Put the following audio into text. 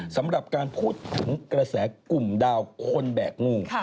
สำหรับการพูดถึงกระแสกลุ่มดาวคนแบกงู